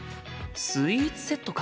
スイーツセットか。